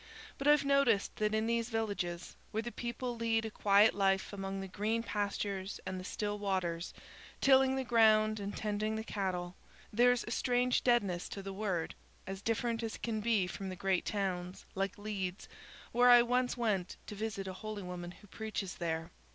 But I've noticed that in these villages where the people lead a quiet life among the green pastures and the still waters, tilling the ground and tending the cattle, there's a strange deadness to the Word, as different as can be from the great towns, like Leeds, where I once went to visit a holy woman who preaches there.